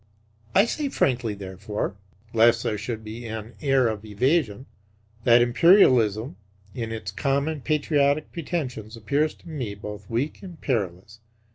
I say frankly, therefore (lest there should be any air of evasion), that Imperialism in its common patriotic pretensions appears to me both weak and perilous.